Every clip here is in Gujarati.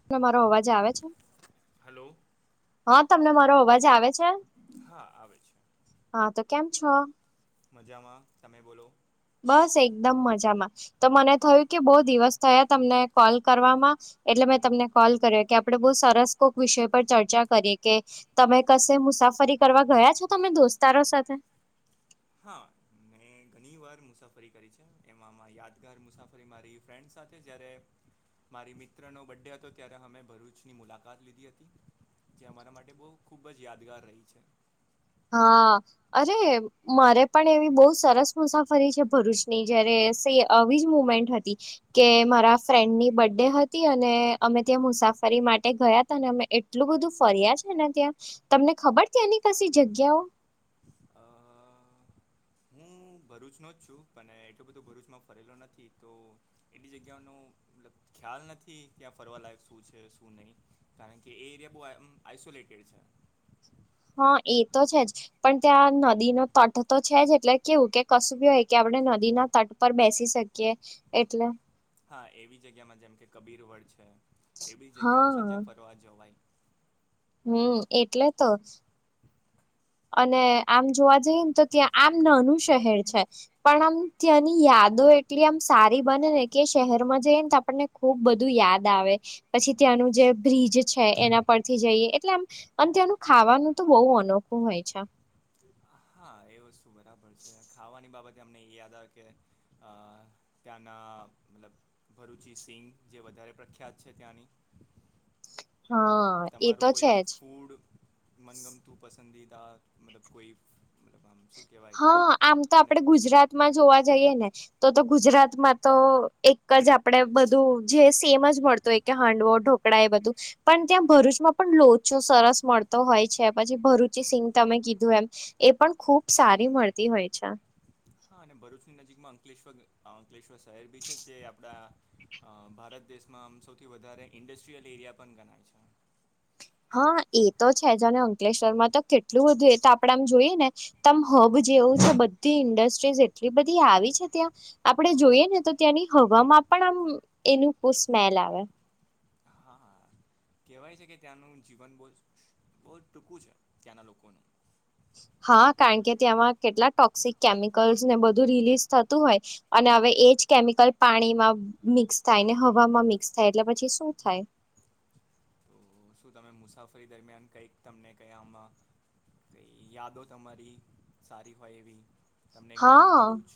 [unintelligible] મારો અવાજ આવે છે? હેલો. હા તમને મારો અવાજ આવે છે? હા આવે છે. હા. તો કેમ છો? મજામાં. તમે બોલો. બસ એકદમ મજામાં. તો મને થયું કે બહુ દિવસ થયા તમને કોલ કરવામાં. એટલે મેં તમને કોલ કર્યો, કે આપણે બહુ સરસ કોક વિષય પર ચર્ચા કરીએ કે તમે કશે મુસાફરી કરવા ગયા છો તમે દોસ્તારો સાથે? હા. મેં ઘની વાર મુસાફરી કરી છે. એમાં માં યાદગાર મુસાફરી મારી ફ્રેન્ડસ સાથે જ્યારે મારી મિત્રનો બડે હતો ત્યારે અમે ભરૂચની મુલાકાત લીધી હતી. જે અમારા માટે બહુ ખૂબ જ યાદગાર રહી છે. હા. અરે મારે પણ એવી બહુ સરસ મુસાફરી છે ભરૂચની, જયારે એસે આવી જ મુમેન્ટ હતી કે મારા ફ્રેન્ડ ની બડે હતી અને અમે ત્યાં મુસાફરી માટે ગયા તા, ને અમે એટ ટલું બધું ફર્યા છે ને ત્યાં, તમને ખબર ત્યાંની કસી જગ્યાઓ? અહ હું ભરૂચનો જ છું, પણ એટલો બધું ભરૂચમાં ફરેલો નથી તો એટલી જગ્યાઓનું મતલબ ખ્યાલ નથી કે આ ફરવા લાાયક શું છે, શું નહીં. કારણ કે એ એરિયા બહુ એમ આઇસોલેટેડ છે. હા એ તો છે જ. પણ ત્યાં નદી નો તટ તો છે જ એટલે કેવું કે કશુ બી હોય કે આપણે નદી ના તટ પર બેસી શકીએ એટલે. હા એવી જગ્યા માં જેમ કે કબીરવડ છે, એવી જગ્યાઓ છે હા જ્યાં ફરવા જવાય. હમ્મ, એટલે તો. અને આમ જોવા જઈએ ને તો ત્યાં આમ નાનું શહેર છે પણ આમ ત્યાંની યાદો એટલી આમ સારી બને ને કે શહેરમાં જઈ ને તો આપણને ખુબ બધું યાદ આવે. પછી ત્યાં નું જે બ્રિજ છે એના પરથી જઈએ, એટલે આમ આમ ત્યાંનું ખાવાનું તો બહુ અનોખું હોય છે. હા એ વસ્તુ બરાબર છે. ખાવાની બાબતે અમને એ યાદ આવે કે અહ ત્યાંના મતલબ ભરૂચી સિંંગ જે વધારે પ્રખ્યાત છે ત્યાંની. હા એ તમારું તો કોઈ છે આમ જ ફૂડ મનગમતું, પસંદીદા, મતલબ કોઈ, મતલબ આમ સુ હા, આમ તો આપડે ગુજરાત તમાં જોવા જઈએ ને, તો તો ગુજરાતમાં તો એક જ આપડે બધું જે સેમ જ મળતો હોય કે, હાંડવો ઢોકળા એ બધું જ પણ ત્યાં ભરૂચમાં પણ લોચો સરસ મળતો હોય છે, પછી ભરૂચી સિંગ તમે કીધું એમ એ પણ ખુબ સારી મળતી હોય છે. હા, અને ભરૂચની નજીકમાં અંકલેશ્વ બી અંકલેશ્વર શહેર બી છે જે આપડા અ ભારત દેશમાં આમ સૌથી વધારે ઇન્ડસ્ટ્રીયલ એરિયા પન ગનાય છે. હા, એ તો છે જ. અને અંકલેશ્વર માં તો કેટલું બધું, એતો આપડે આમ જોઈએ ને તમ હબ જેવું છે, બધી ઇન્ડસ્ટ્રીઝ, એટલી બધી આવી છે ત્યાં આપડે જોઈએ ને તો ત્યાંની હવામાં પણ આમ એનું બો સ્મેલ આવે. હા, કહેવાય છે કે ત્યાંનું જીવન બઉ જ બહુજ ટૂંકું છે, ત્યાંના લોકોનું. હા, કારણ કે ત્યાંમાં કેટલા ટોક્સિક કેમિકલ્સ ને બધું રિલીઝ થતું હોય અને હવે એજ કેમિકલ પાણીમાં મિક્સ થાય ને હવામાં મિક્સ થાય એટલે પછી શું થાય? હ સુ તમે મુસાફરી દરમિયાન કંઈક તમને કંઈ આમાં કઈ યાદો તમારી સારી હોય એવી તમને ગમ્યું હા ભરૂચ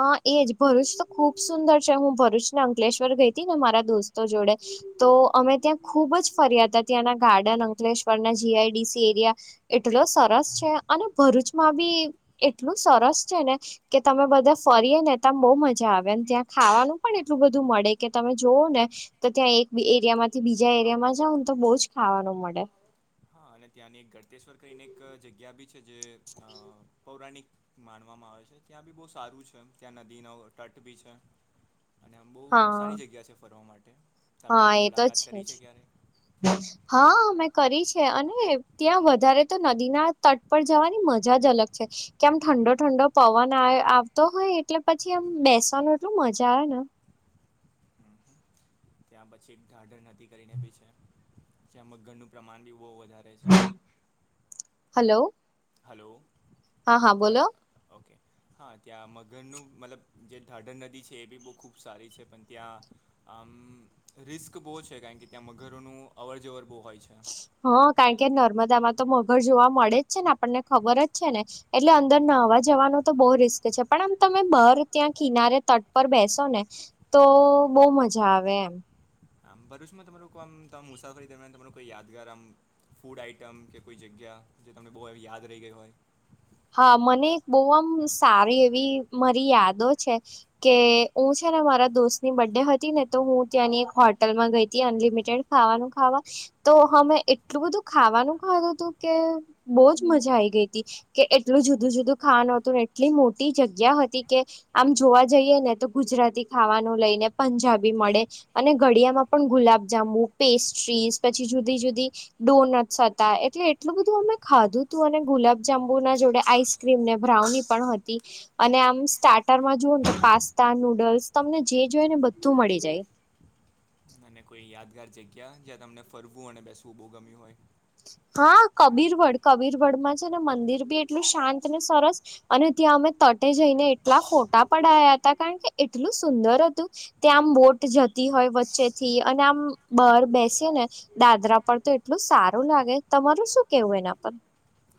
હા, એજ ભરૂચ તો ખુબ સુંદર છે, હું ભરૂચ ને અંકલેશ્વર ગઈ હતી ને મારા દોસ્તો જોડે તો અમે ત્યાં ખુબ જ ફર્યા હતા, ત્યાંના ગાર્ડન અંકલેશ્વરના જીઆઈડીસી એરિયા એટલો સરસ છે અને ભરૂચમાં બી એટલું સરસ છે ને કે તમે બધા ફરીએ ને ત બઉ મજા આવેને, ત્યાં ખાવાનું પણ એટલું બધું મળે કે તમે જોવો ને, તો ત્યાં એક એરિયામાંથી બીજા એરિયામાં જાઉ ને, તો બહુ જ ખાવાનું મળે. હા અને ત્યાંની એક ગળતેશ્વર કરીને એક જગ્યા બી છે જે પૌરાણિક માનવામાં આવે છે, ત્યાં બી બહુ સારું છે, ત્યાં નદીનો તટ બી છે અને આમ બહુ હા સારી જગ્યા છે ફરવા માટે, તમે હા એ તો મુલાકાત કરી જ છે ક્યારે? [inaudible] હા, મેં કરી છે, અને ત્યાં વધારે તો, નદીના તટ પર જવાની મજા જ અલગ છે! કે આમ ઠંડો ઠંડો પવન આવતો હોય, એટલે પછી આમ બેસવાનું એટલું મજા આવે ને! ત્યાં પછી એક ઢાઢર નદી કરીને બી છે, જ્યાં મઘરનું પ્રમાણ બી બહુ વધારે છે. હલો હલો હા હા હલ્ બોલો ઓકે હા, ત્યાં મગરનું મતલબ, જે ઢાઢર નદી છે એ બી બહુ ખૂબ સારી છે પણ ત્યાં આમ રિસ્ક બહુ છે, કારણ કે ત્યાં મગરોનું અવર જવર બહુ હોય છે. હા, કારણ કે નર્મદામાં તો મગર જોવા મળે જ છે ને, આપણને ખબર જ છે ને. એટલે અંદર નાહવા જવાનો તો બહુ રિસ્ક છે, પણ આમ તમે બહર ત્યાં કિનારે તટ પર બેસો ને તો બહુ મજા આવે, એમ. આમ ભરૂચમાં તમે લોકો આમ, મુસાફરી દરમિયાન તમારો કોઈ યાદગાર આમ? ફૂડ આઈટમ, કે કોઈ જગ્યા? જે તમને બહુ યાદ રહી ગઈ હોય! હા, મને એક બહુ આમ સારી એવી મારી યાદો છે, કે હું છે ને મારા દોસ્ત ની બર્ડે હતી ને, તો હું ત્યાંની એક હોટલમાં ગઈતી, અનલિમિટેડ ખાવાનું ખાવા તો અમે એટલું બધું ખાવાનું ખાધું હતું કે બોજ મજા આ ગઈ હતી કે એટલું જુદું જુદું ખાવાનું હતું, એટલી મોટી જગ્યા હતી કે આમ જોવા જઈએ ને તો ગુજરાતી ખાવાનું લઈને પંજાબી મળે અને ઘડિયામાં પણ ગુલાબજામ્બુ, પેસ્ટ્રીઝ પછી જુદી જુદી ડોનટસ હતા, એટલે એટલું બધું અમે ખાધું તું અને ગુલાબજામુન એના જોડે આઈસક્રીમ ને બ્રાઉની પણ હતી. અને આમ સ્ટાર્ટરમાં જુવોને તો પાસ્તા નૂડલ્સ તમને જે જોય ને બધું મળી જાય. અને કોઈ યાદગાર જગ્યા જ્યાં તમને ફરવું અને બેસવું બહુ ગમ્યું હોય. હા કબીરવડ કબીરવડમાં છે ને મંદિર બી એટલું શાંત ને સરસ અને ત્યાં અમે તટે જઈને એટલા ફોટા પડાયા હતા કારણ કે એટલું સુંદર હતું. ત્યાં આમ બોટ જતી હોય વચ્ચેથી અને આમ બાર બેસે ને દાદરા પર તો એટલું સારું લાગે તમારું શું કેવું એના પર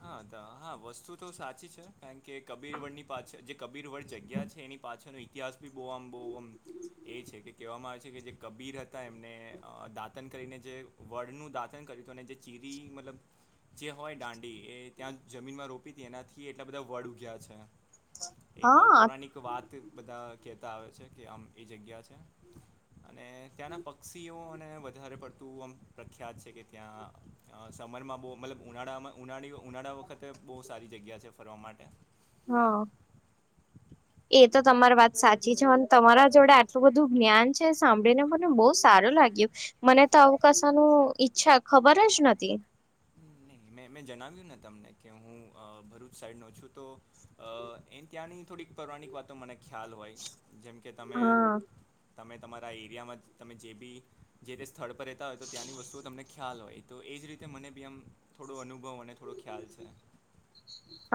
હા હા વસ્તુ તો સાચી છે કારણ કે કબીર વડની પાછે જે કબીર વળ જગ્યા છે, એની પાછળનો ઇતિહાસ ભી બહુ આમ બહુ આમ એ છે કે કહેવામાં આવે છે કે જે કબીર હતા એમને દાંતન કરીને જે વડનું દાંતણ કર્યું હતું, અને જે ચીરી મતલબ જે હોય દાંડ એ ત્યાં જમીનમાં રોપી હતી એનાથી એટલા બધા વાળું ગયા છે, એક હા પૌરાણિક એક વાત બધા કહેતા આવે છે કે આમ એ જગ્યા છે. અને ત્યાંના પક્ષીઓને વધારે પડતું આમ પ્રખ્યાત છે કે ત્યાં સમરમાં બહુ મતલબ ઉનાળામાં ઉનાળી ઉનાળા વખતે બહુ સારી જગ્યા છે, ફરવા માટે હા એ તો તમારી વાત સાચી છે, અને તમારા જોડે આટલું બધું જ્ઞાન છે સાંભળીને મને બહુ સારું લાગ્યું મને તો અુંકાશાનું ઈચ્છા ખબર જ નથી. મેં મેં જણાવ્યું ને તમને કે હું ભરૂચ સાઈડનો છું તો, એ ત્યાંની થોડી પૌરાણિક વાતો મનેઅ ખ્યાલ હોય જેમ કે તમે હા તમે તમારા એરિયામાં તમે જે બી જે તે સ્થળ પર રહેતા હોય તો ત્યાંની વસ્તુઓ તમને ખ્યાલ હોય, તો એ જ રીતે મને બી આમ થોડો અનુભવ અને થોડો ખ્યાલ છે.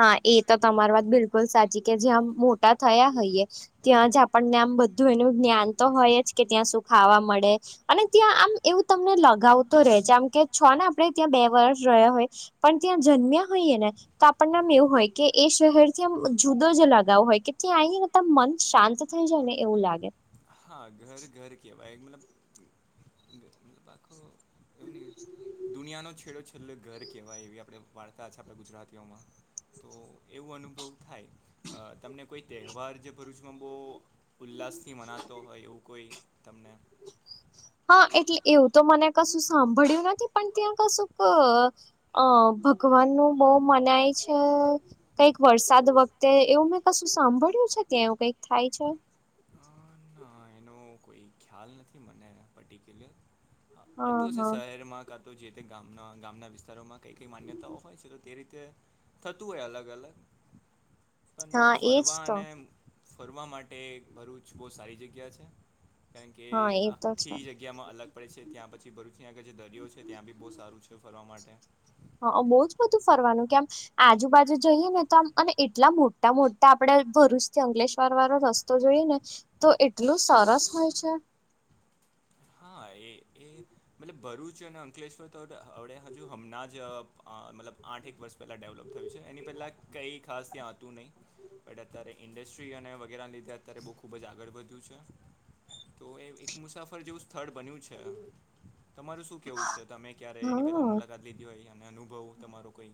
હા, એ તો તમારી વાત બિલકુલ સાચી કે જ્યાં મોટા થયા હોઈએ. ત્યાં જ આપણને આમ બધું એનું જ્ઞાન તો હોય જ કે ત્યાં શું ખાવા મળે. અને ત્યાં આમ એવું તમને લગાવતો રહેે છે, આમ કે છો ને આપણે ત્યાં બે વર્ષ રહ્યા હોય. પણ ત્યાં જન્મ્યા હોઈએ ને તો આપણનેમ એવું હોય કે એ શહેર થી આમ જુદો જ લગઓ હોય, કે ત્યાં મન શાંત થઈ જાય ને એવું લાગે હા ઘર ઘર કેવાય મતલબ મતલબ આખો એમની દુનિયાનો છેડો છે. છેલ્લે ઘર કેહેવાય એવી આપણે વાળતા છે, આપણા ગુજરાતીઓમાં તો એવું અનુભવ થાય, તમને કોઈ તહેવાર જે ભરૂચમાં બહુ ઉલ્લાસથી મનાતો હોય એવું કોઈ તમને હા, એટલે એવું તો મને કશું સાંભળ્યું નથી પણ ત્યાં કશું ક અ ભગવાન નું બહ મનાય છે. કઈક વરસાદ વખતે એવું મેં કશું સાંભળ્યું છે, ત્યાંવું કઈક થાય છે. પણ એનો કોઈ ખ્યાલ નથી મને પર્ટિક્યુલર હા તું અ શહેરમાં કા તો જે તે ગામના ગામના વિસ્તારોમાં કઈ કઈ માન્યતાઓ હોય છે. તો તે રીતે થતું હોય અલગ અલગ અને હા એજ ફરવા તો અને ફરવા માટે ભરૂચ બહુ સારી જગ્યા છે, કારણ કે હા એ તો છે આખી જગ્યા જગ્યામાં અલગ પડે છે ત્યાં પછી ભરૂચની આખળ જે દરિયો છે, ત્યાં બી બહુ સારું છે ફરવા માટે હા, બહુ જ બધું ફરવાનું કેમ આજુબાજુ જઈએ ને તો આમ અને એટલા મોટા મોટા આપડે ભરૂચથી અંકલેશ્વર વાળો રસ્તો તો જોઈએ ને તો એટલું સરસ હોય છે. હા, એ એ મતલબ ભરૂચ અને અંકલેશ્વર તો અડ હજુ હમણાં જ મતલબ આઠ એક વર્ષ પહેલાં ડેવલપ થયું છે એની પહેલાં કંઈ ખાસ ત્યાં હતતું નહીં. બ અત્યારે ઇન્ડસ્ટ્રી અને વગેરેના લીધે અત્યારે બહુ ખૂબ જ આગળ વધ્યું છે તો એ એક મુસાફર જો સ્ર્ડ બન્યું છે તમારું શું કેવું છે તમે ક્યારે એની પહેલા હા. મુલાકાત લીધી કહેવાય અને અનુભવ તમારો કંઈ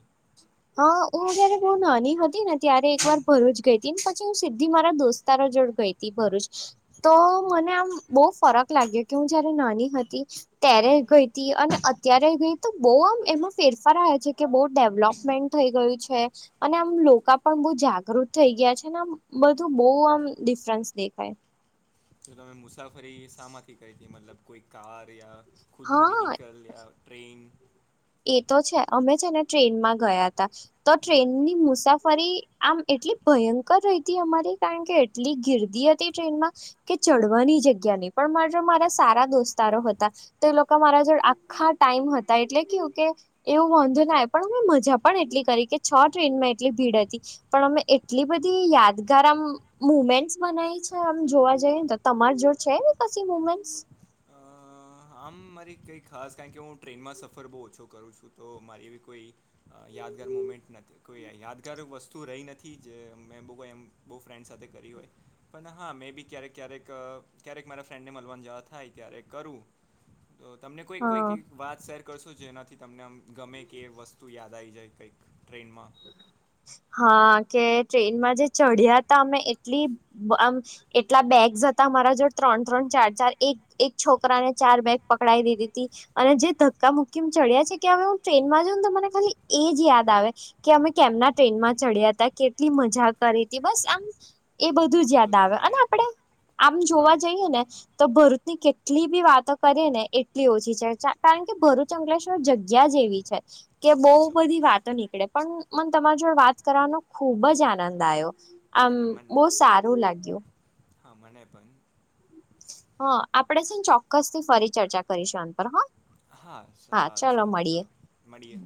હા હું જારે બઉ નાની હતી ને ત્યારે એક વાર ભરૂચ ગઈ હતી ને પછી હું સીધી મારા દોસ્તારો જોડે ગઈ ભરૂચ તો મને આમ બહુ ફરક લાગ્યો કે હું જયારે નાની હતી ત્યારે ગઈ હતી અને અત્યારે ગઈ તો બહ આમ એમાં ફેરફાર આવ છે કે બહ ડેવલોપ મેન્ટ થઈ ગયું છે અને આમ લોકો પણ બહુ જાગૃત થઈ ગયા છે આમ બધું બહુ આમ ડિફરન્સ દેખાય જો તમે મુસાફરી શામાંથી કરી હતી મતલબ કોઈ કાર યા ખુદનું હા વ્હીકલ યા ટ્રેન એ તો છે અમે છે ને ટ્રેનમાં ગયા હતા તો ટ્રેનની મુસાફરી આમ એટલી ભયંકર રહીતી અમારી કારણ કે એટલી ગિરદી હતી ટ્રેનમાં કે ચડવાની જગ્યા નહી પણ મા મારા સારા દોસ્તારો હતા તો એ લોકો મારા જોડે આખા ટાઈમ હતા એટલે કુ કે એવું વાંધો ના પણ અમે મજા પણ એટલી કરી કે છ ટ્રેનમાં એટલી ભીડ હતી. પણ અમે એટલી બધી યાદગાર આમ મુમેન્ટસ બનાયઈ છે આમ જોવા જઈએ ને તો તમાર જોડે છે એવી કસી મુમેન્ટસ અ આમ મારી કંઈ ખાસ કારણ કે હું ટ્રેનમાં સફર બહુ ઓછો કરું છું તો મારી એવી કોઈ યાદગાર મુમેન્ટ નથી કોઈ યાદગાર વસ્તુ રહી નથી જે મેં બહું કોઈ એમ બહુ ફ્રેન્ડ સાથે કરી હોય પણ હા મેં બી ક્યારેક ક્યારેક ક્યારેક મારા ફ્રેન્ડને મળવાની જાત થાય ક્યારે કરું તો તમને કોઈક હા કોઈક વાત શેર કરશો જેનાથી તમને આમ ગમે કે વસ્તુ યાદ આવી જાય કંઈક ટ્રેનમાં હા કે ટ્રેનમાં જે ચડ્યા હતા અમે એટલી આમ એટલા બેગ્સ હતા મારા જો ત્રણ ત્રણ ચાર ચાર એક એક છોકરા ને ચાર બેગ પકડાઈ દીધી તી. અને જે ધક્કા મુકી ચડ્યા છે કે હવે હું ટ્રેનમાં જાઉં ને તો મને ખાલી એજ યાદ આવે કે અમે કેમના ટ્રેનમાં ચડ્યા હતા કેટલી મજા કરી હતી બસ આમ એ બધું જ તો યાદ આવે તમે અને આપણે આમ જોવા જઈએ ને હા તો ભરૂચની કેટલી બી વાતો કરીએ ને એટલી ઓછી છે કારણ કે ભરૂચ અંકલેશ્વર જગ્યા એવી છે. કે બહુ ચોક્કસ બધી ચોક્કસ વાતો નીકળે પણ મને તમારી જોડે વાત કરવાનો ખુબ જ આનંદ આયો. આમ અરે મન બહુ સારું લાગ્યું. હા મને પણ. હા આપણેે છે ને ચોક્કસ થી ફરી ચર્ચા કરીશું એન પર હા. હા સારું ચલો સારું મળીએ. ચાલો મળીએ.